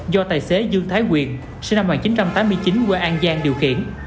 do tài xế dương thái quyền sinh năm một nghìn chín trăm tám mươi chín quê an giang điều khiển